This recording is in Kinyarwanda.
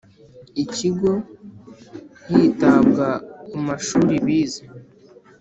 Ikigo hitabwa ku mashuri bize